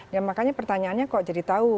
ya makanya pertanyaannya kok jadi tahu